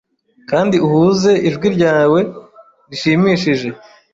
Kandi uhuze ijwi ryawe rishimishije